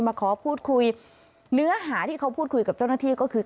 มาขอพูดคุยเนื้อหาที่เขาพูดคุยกับเจ้าหน้าที่ก็คือ